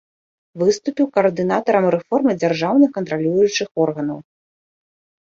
Выступіў каардынатарам рэформы дзяржаўных кантралюючых органаў.